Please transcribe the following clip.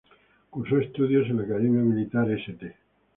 Cursó estudios en la Academia Militar St.